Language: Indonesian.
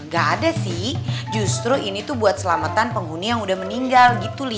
gak ada sih justru ini tuh buat selamatan penghuni yang udah meninggal gitu